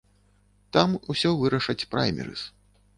Там усё вырашаць праймерыз.